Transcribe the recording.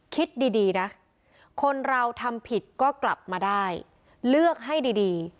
คิดดีดีนะคนเราทำผิดก็กลับมาได้เลือกให้ดีดี